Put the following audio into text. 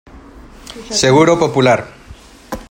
Seguro Popular.